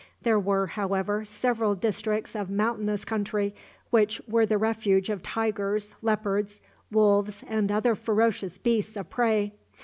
There were, however, several districts of mountainous country, which were the refuge of tigers, leopards, wolves, and other ferocious beasts of prey.